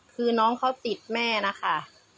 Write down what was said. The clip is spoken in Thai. คือน้องเขาติดแม่นะคะ